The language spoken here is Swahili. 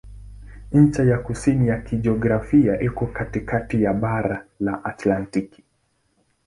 Ncha ya kusini ya kijiografia iko katikati ya bara la Antaktiki.